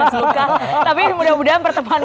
suka tapi mudah mudahan pertemuan